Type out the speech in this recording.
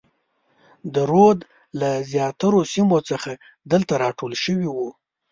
د رود له زیاترو سیمو خلک دلته راټول شوي وو.